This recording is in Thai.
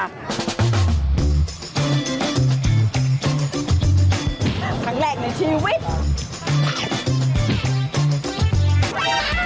ครั้งแรกในชีวิต